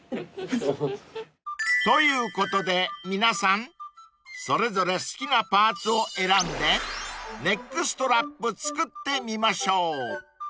［ということで皆さんそれぞれ好きなパーツを選んでネックストラップ作ってみましょう］